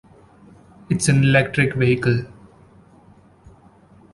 It’s an electric vehicle.